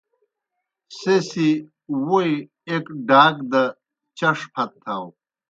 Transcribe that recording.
سہ سیْ ووئی ایْک ڈاک دہ چݜ پھت تھاؤ۔